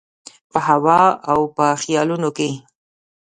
په هوا او په خیالونو کي